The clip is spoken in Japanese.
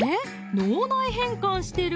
脳内変換してる？